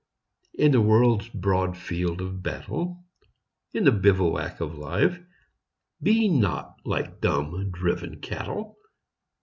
In the world's broad field of battle, In the bivouac of Life, Be not like dumb, driven cattle